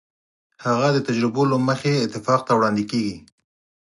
هغه د تجربو له مخې اتفاق ته وړاندې کېږي.